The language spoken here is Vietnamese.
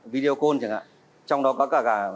video call chẳng hạn trong đó có cả